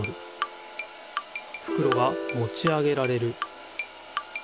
ふくろがもち上げられる。